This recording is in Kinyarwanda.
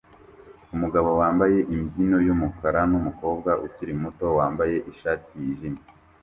Umugabo wambaye imbyino yumukara numukobwa ukiri muto wambaye ishati yijimye